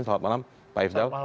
selamat malam pak ifdal